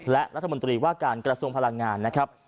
และรัฐมนตรีว่าการกระทรวงพลังงานนะครับ